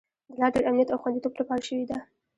د لا ډیر امنیت او خوندیتوب لپاره شوې ده